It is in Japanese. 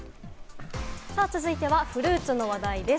続いてはフルーツの話題です。